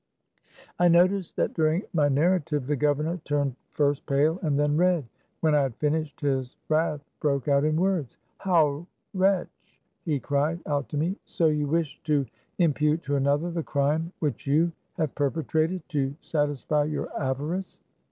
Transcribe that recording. I noticed that during my narrative the gov ernor turned first pale and then red. When I had finished his wrath broke out in words. " How, wretch !" he cried out to me, " so you wish to im pute to another the crime which you have perpe trated to satisfy your avarice